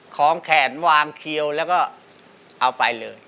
ของแขนวางเขียวแล้วก็เอาไปเลย